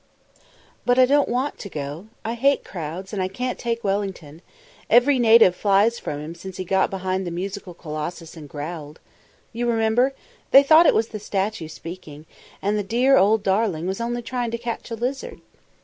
"But I don't want to go. I hate crowds, and I can't take Wellington. Every native flies from him since he got behind the Musical Colossus and growled. You remember? They thought it was the statue speaking, and the dear old darling was only trying to catch a lizard."